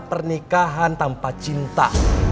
pernikahan tanpa cinta